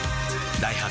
ダイハツ